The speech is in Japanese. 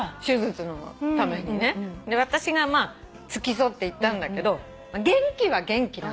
で私が付き添って行ったんだけど元気は元気なの。